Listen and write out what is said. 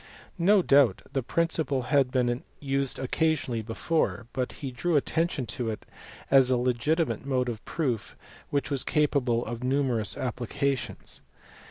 No doubt the principle had been used occasionally before, but he drew attention to it as a legitimate mode of proof which was capable of numerous applications.